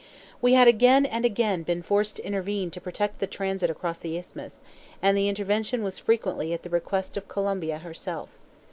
We had again and again been forced to intervene to protect the transit across the Isthmus, and the intervention was frequently at the request of Colombia herself.